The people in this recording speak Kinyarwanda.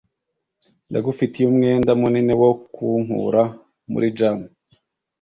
Ndagufitiye umwenda munini wo kunkura muri jam.